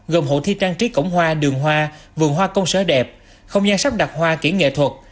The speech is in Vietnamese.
gồm hội thi trang trí cổng hoa đường hoa vườn hoa công sở đẹp không gian sắp đặt hoa kỹ nghệ thuật